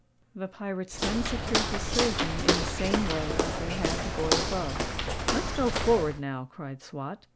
The pirates then secured the surgeon in the same way as they had the boy above. "Let's go forward now," cried Swot.